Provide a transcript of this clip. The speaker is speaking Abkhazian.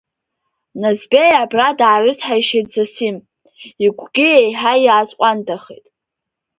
Назбеи абра даарыцҳаишьеит Зосим, игәгьы еиҳа иааизҟәандахеит.